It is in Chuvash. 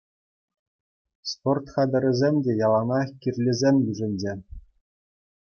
Спорт хатӗрӗсем те яланах кирлисен йышӗнче.